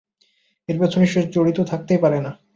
এর পেছনে সে জড়িত থাকতে পারেই না!